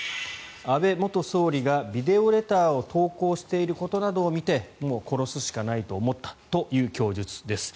安倍元総理がビデオレターを投稿していることなどを見てもう殺すしかないと思ったという供述です。